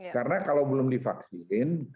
karena kalau belum divaksin